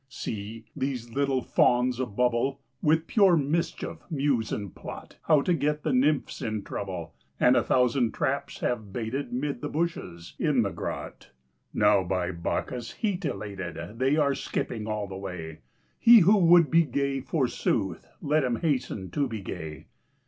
See 1 these little fauns, a bubble With pure mischief, muse and plot How to get the nymphs in trouble. And a thousand traps have baited Mid the bushes, in the grot ; Now by Bacchus* heat elated They are skipping all the way : He who would be gay, forsooth, Let him hasten to be gay.